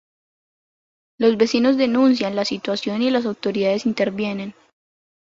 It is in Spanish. Los vecinos denuncian la situación y las autoridades intervienen.